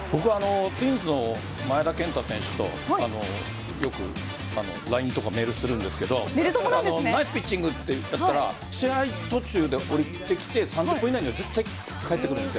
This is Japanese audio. ツインズの前田健太選手とよくＬＩＮＥとかメールするんですけどナイスピッチングって言ったら試合途中でも３０分以内には絶対返ってくるんです。